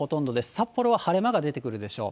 札幌は晴れ間が出てくるでしょう。